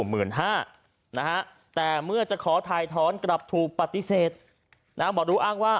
หมื่นห้านะฮะแต่เมื่อจะขอถ่ายท้อนกลับถูกปฏิเสธนะหมอดูอ้างว่า